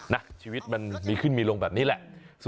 นะชีวิตมันมีขึ้นมีลงแบบนี้แหละ